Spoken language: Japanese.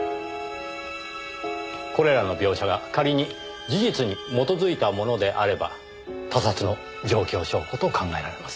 これらの描写が仮に事実に基づいたものであれば他殺の状況証拠と考えられます。